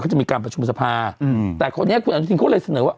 จะมีการประชุมสภาอืมแต่คนนี้คุณอนุทินเขาเลยเสนอว่า